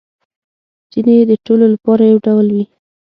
ځینې يې د ټولو لپاره یو ډول وي